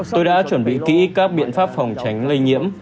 tôi đã chuẩn bị kỹ các biện pháp phòng tránh lây nhiễm